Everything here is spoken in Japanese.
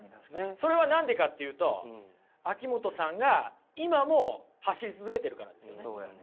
それは何でかっていうと秋元さんが今も走り続けてるからですよね。